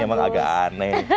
ini emang agak aneh